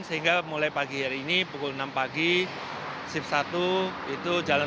sehingga mulai pagi hari ini pukul enam pagi shift satu itu jalan